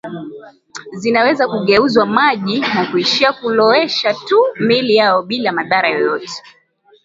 zinaweza kugeuzwa maji na kuishia kulowesha tu miili yao bila madhara yoyote